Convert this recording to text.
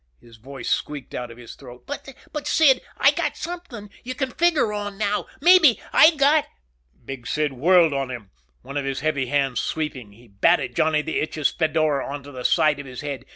His voice squeaked out of his throat. "But Sid, I got something you can figure on now, maybe. I got " Big Sid whirled on him, one of his heavy hands sweeping. He batted Johnny the Itch's fedora onto the side of his head.